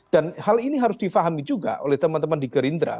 dan hal ini harus difahami juga oleh teman teman di gerindra